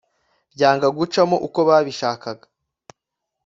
Byanga gucamo uko babishakaga